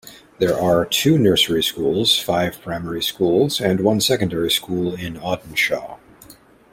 There are two nursery schools, five primary schools, and one secondary school in Audenshaw.